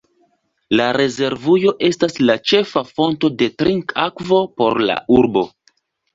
La rezervujo estas la ĉefa fonto de trinkakvo por la urbo.